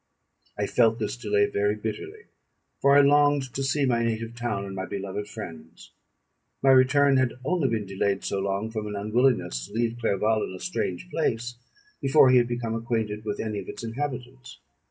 I felt this delay very bitterly; for I longed to see my native town and my beloved friends. My return had only been delayed so long, from an unwillingness to leave Clerval in a strange place, before he had become acquainted with any of its inhabitants.